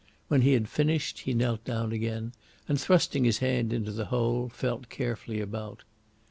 When he had finished he knelt down again, and, thrusting his hand into the hole, felt carefully about.